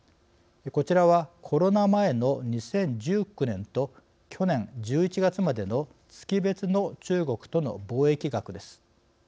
こちらはコロナ前の２０１９年と去年１１月までの月別の中国との貿易額です。